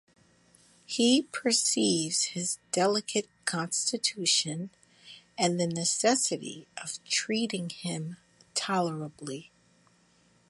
He perceives his delicate constitution, and the necessity of treating him tolerably.